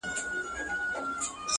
زلفي او باڼه اشــــــنـــــــــــا،